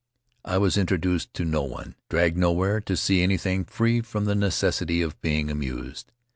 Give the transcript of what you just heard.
I was introduced to no one, dragged nowhere to see anything, free from the necessity of being amused.